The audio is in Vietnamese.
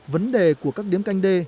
vấn đề của các điếm canh đê